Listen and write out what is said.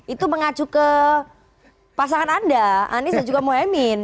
itu mengacu ke pasangan anda anissa juga mohaimin